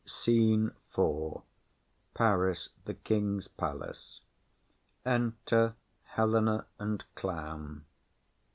_] SCENE IV. Paris. The King's palace. Enter Helena and Clown.